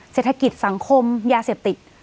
เศรษฐกิจสังคมยาเสพติด